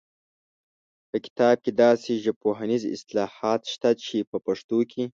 په کتاب کې داسې ژبپوهنیز اصطلاحات شته چې په پښتو کې